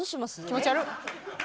気持ち悪っ！